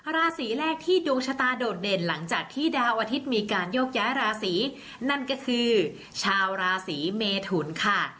ราศีแรกที่ดวงชะตาโดดเด่นหลังจากที่ดาวอาทิตย์มีการโยกย้ายราศีนั่นก็คือชาวราศีเมทุนค่ะ